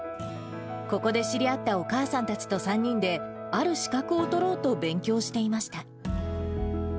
ここで知り合ったお母さんたちと３人で、ある資格を取ろうと、勉強していました。